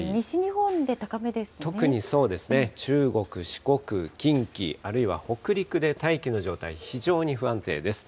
特にそうですね、中国、四国、近畿、あるいは北陸で大気の状態、非常に不安定です。